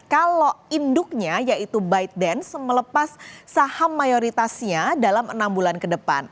kalau induknya yaitu bite dance melepas saham mayoritasnya dalam enam bulan ke depan